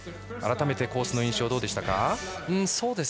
改めてコースの印象はどうでしたか。